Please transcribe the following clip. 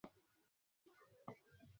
ওর হাঁটা বেশ স্টাইলিশ।